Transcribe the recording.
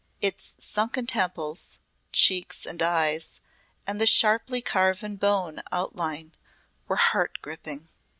Its sunken temples, cheeks and eyes, and the sharply carven bone outline were heart gripping.